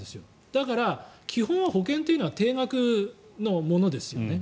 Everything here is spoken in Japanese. だから、基本は保険というのは低額のものですよね。